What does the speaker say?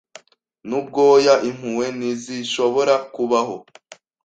nubwoya "Impuhwe ntizishobora kubaho